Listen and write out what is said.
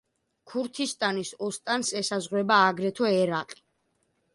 ქურთისტანის ოსტანს ესაზღვრება აგრეთვე ერაყი.